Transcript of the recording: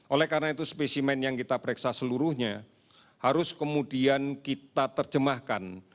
oleh karena itu spesimen yang kita pereksa seluruhnya harus kemudian kita terjemahkan